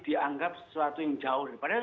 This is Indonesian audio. dianggap sesuatu yang jauh daripada